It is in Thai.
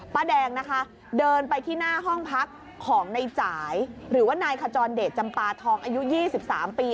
ป้าแดงนะคะเดินไปที่หน้าห้องพักของในจ่ายหรือว่านายขจรเดชจำปาทองอายุ๒๓ปี